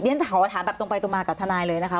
เดี๋ยวฉันขอถามแบบตรงไปตรงมากับทนายเลยนะคะ